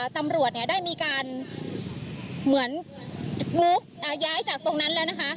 ตำรวจได้มีการเหมือนงูย้ายจากตรงนั้นแล้วนะคะ